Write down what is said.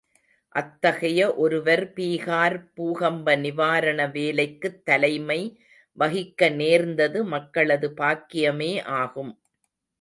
அத்தகைய ஒருவர் பீகார் பூகம்ப நிவாரண வேலைக்குத் தலைமை வகிக்க நேர்ந்தது மக்களது பாக்கியமே ஆகும்.